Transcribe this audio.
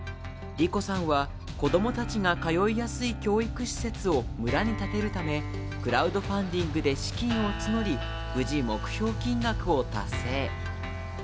莉瑚さんは、子供たちが通いやすい教育施設を村に建てるためクラウドファンディングで資金を募り、無事、目標金額を達成。